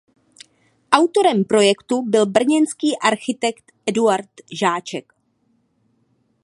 Autorem projektu byl brněnský architekt Eduard Žáček.